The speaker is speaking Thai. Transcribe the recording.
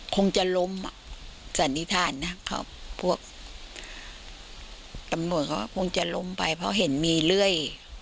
คงจะล้มอ่ะสันนิษฐานนะเขาพวกตำรวจเขาก็คงจะล้มไปเพราะเห็นมีเรื่อย